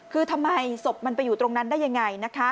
คือทำไมสบมันไปอยู่ตรงนั้นได้อย่างไร